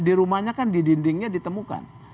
di rumahnya kan di dindingnya ditemukan